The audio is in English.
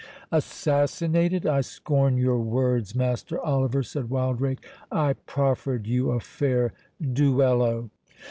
"Assassinated!—I scorn your words, Master Oliver," said Wildrake; "I proffered you a fair duello."